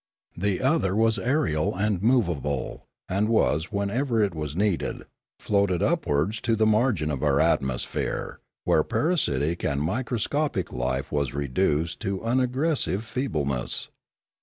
The other was aerial and movable, and was, whenever it was needed, floated upwards to the margin of our atmosphere, where parasitic and microscopic life was reduced to unaggressive feebleness.